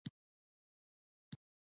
زه غواړم چې خپل هدف ته ورسیږم